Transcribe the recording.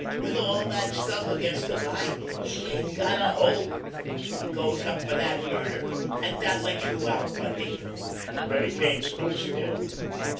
With all that stuff against the guy, he ain't got a hope. He goes up for that murder, and that lets you out, Bundy." Billy Kane stood still.